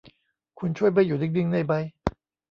คุณช่วยไม่อยู่นิ่ง ๆ ได้มั้ย